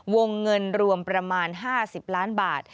วงเงินรวมประมาณ๕๐ล้านบาท